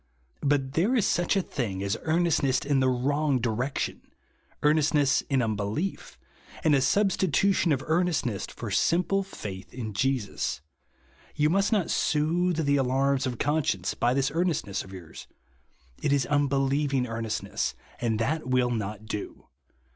But there is such a thins^ as earnestness in the wrong direction ; earnestness in un belief, and a substitution of earnestness for simple faith in Jesus. You must not soothe tlie alarms of conscience by this earnest ness of yours. It is unbelieving earnest V.ELI EVE JUST NOW. 117 ness ; and that will not do.